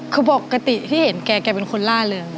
คือปกติที่เห็นแกแกเป็นคนล่าเริง